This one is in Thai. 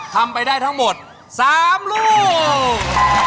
ทำไปได้ทั้งหมด๓ลูก